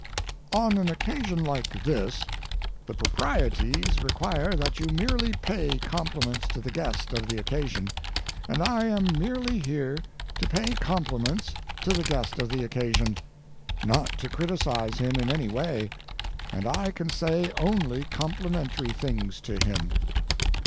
On an occasion like this the proprieties require that you merely pay compliments to the guest of the occasion, and I am merely here to pay compliments to the guest of the occasion, not to criticise him in any way, and I can say only complimentary things to him.